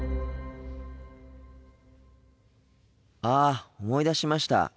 ああ思い出しました。